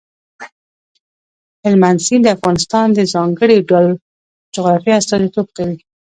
هلمند سیند د افغانستان د ځانګړي ډول جغرافیه استازیتوب کوي.